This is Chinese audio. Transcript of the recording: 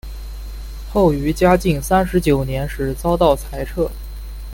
后于嘉靖三十九年时遭到裁撤。